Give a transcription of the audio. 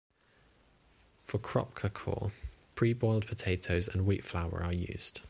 For kroppkakor, pre-boiled potatoes and wheat flour are used.